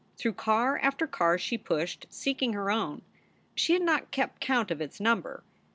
Through car after car she pushed, seeking her own. She had not kept count of its number.